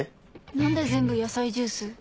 何で全部野菜ジュース？